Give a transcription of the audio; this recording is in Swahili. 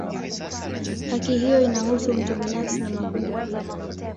Haki hiyo inahusu mtu binafsi na makundi pia.